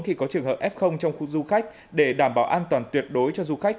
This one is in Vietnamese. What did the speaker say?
khi có trường hợp f trong khu du khách để đảm bảo an toàn tuyệt đối cho du khách